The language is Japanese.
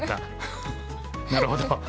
なるほど。